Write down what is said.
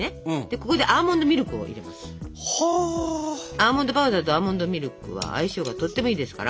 アーモンドパウダーとアーモンドミルクは相性がとってもいいですから。